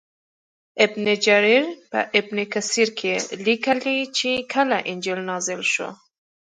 ابن جریر په ابن کثیر کې لیکلي چې کله انجیل نازل شو.